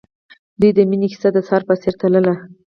د دوی د مینې کیسه د سهار په څېر تلله.